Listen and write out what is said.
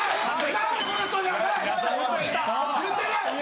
何も言ってない！